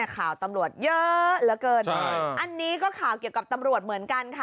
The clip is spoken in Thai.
ข่าวตำรวจเยอะเหลือเกินอันนี้ก็ข่าวเกี่ยวกับตำรวจเหมือนกันค่ะ